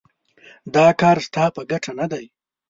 دا کار ستا په ګټه نه دی.